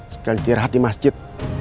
sekalian istirahat di masjid